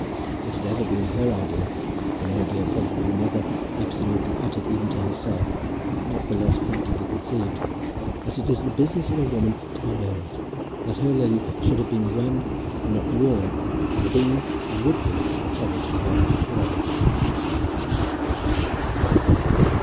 It had ever been her idea, an idea probably never absolutely uttered even to herself, but not the less practically conceived, that it is the business of a woman to be married. That her Lily should have been won and not worn, had been, and would be, a trouble to her for ever.